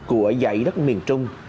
của dãy đất miền trung